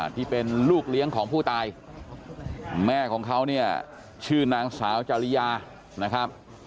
ที่เป็นลูกเลี้ยงของผู้ตายแม่ของเขาเนี่ยชื่อนางสาวจริยานะครับ